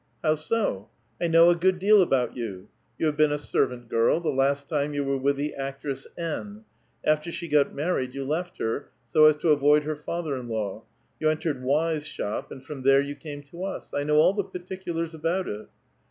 ''How so? I know a good deal about you. You have been a seiTant girl, the last time 3'ou were with the actress N. ; after she got married, you left her, so as to avoid her father in law; you entered Y'.'s shop, and from there you canio to us. 1 know all the particiilai*s about it."